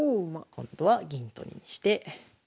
今度は銀取りにして。